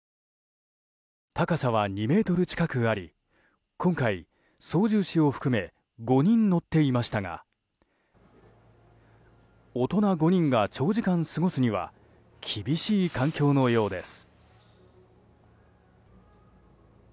高さは２ｍ近くあり今回、操縦士を含め５人乗っていましたが大人５人が長時間過ごすには厳しい環境のようです。